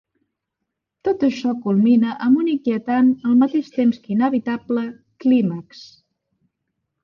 Tot això culmina amb un inquietant, al mateix temps que inevitable, clímax.